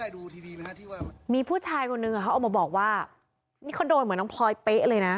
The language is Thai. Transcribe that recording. แล้วได้ดูทีมีภูตชายคนหนึ่งอ่ะเขาออกมาบอกว่านี่คอนโดเหมือนน้องพลอยเป๊ะเลยนะ